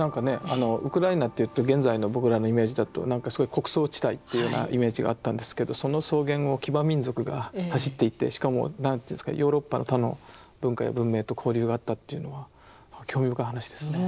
あのウクライナっていうと現在の僕らのイメージだと何かすごい穀倉地帯っていうようなイメージがあったんですけどその草原を騎馬民族が走っていてしかも何ていうんですかヨーロッパの他の文化や文明と交流があったというのは興味深い話ですね。